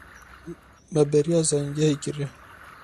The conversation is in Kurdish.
Me bêriya zanîngehê kiriye.